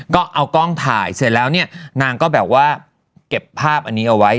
ก็เอากล้องถ่ายเสร็จแล้วเนี่ยนางก็แบบว่าเก็บภาพอันนี้เอาไว้